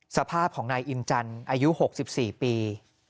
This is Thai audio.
สภาพของนายอินจันทร์อายุ๖๔ปี